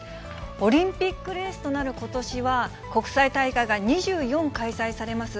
オリンピックレースとなることしは、国際大会が２４開催されます。